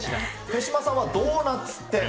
手嶋さんは、ドーナツ店。